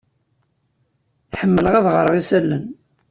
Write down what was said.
Ḥemmleɣ ad ɣreɣ isalan.